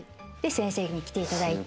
先生に来ていただいて。